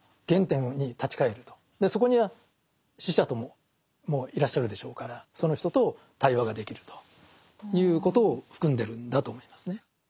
そこには死者ともいらっしゃるでしょうからその人と対話ができるということを含んでるんだと思いますね。